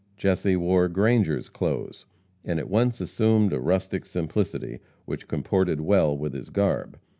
Jesse wore Grangers' clothes, and at once assumed a rustic simplicity which comported well with his garb.